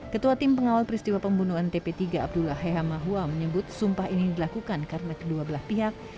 ketua tim pengawal peristiwa pembunuhan tp tiga abdullah hehamahua menyebut sumpah ini dilakukan karena kedua belah pihak